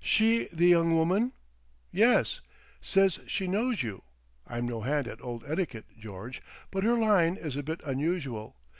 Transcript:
"She the young woman?" "Yes. Says she knows you. I'm no hand at old etiquette, George, but her line is a bit unusual.